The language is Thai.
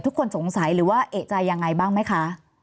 ทุกคนสงสัยหรือว่าเอกใจยังไงบ้างไหมคะ